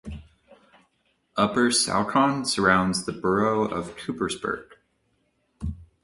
Upper Saucon surrounds the borough of Coopersburg.